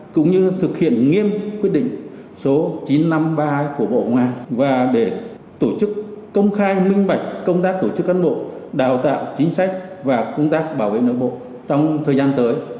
cũng như thực hiện nghiêm quyết định số chín trăm năm mươi ba của bộ ngoại và để tổ chức công khai minh bạch công tác tổ chức cán bộ đào tạo chính sách và công tác bảo vệ nội bộ trong thời gian tới